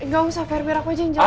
gak usah ver biar aku aja yang jelasin